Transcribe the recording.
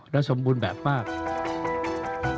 แล้วสมบูรณ์แบบบ้าง